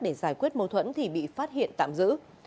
để giải quyết mâu thuẫn thì bị phát hiện tạm giữ